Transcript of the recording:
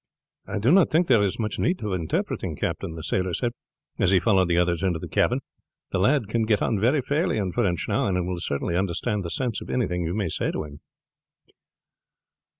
"I do not think there is much need of interpreting, captain," the sailor said, as he followed the others into the cabin. "The lad can get on very fairly in French now, and will certainly understand the sense of anything you may say to him."